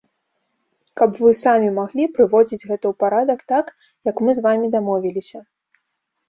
Каб вы самі маглі прыводзіць гэта ў парадак так, як мы з вамі дамовіліся.